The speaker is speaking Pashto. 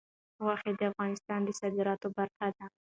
غوښې د افغانستان د صادراتو برخه ده.